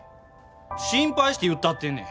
心配して言ったってんねん！